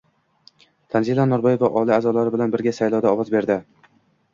Tanzila Norboyeva oila a’zolari bilan birga saylovda ovoz berdi